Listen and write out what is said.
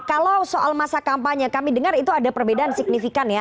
kalau soal masa kampanye kami dengar itu ada perbedaan signifikan ya